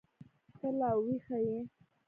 ته لا ويښه يې.